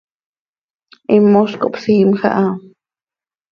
Himoz cohpsiimj aha.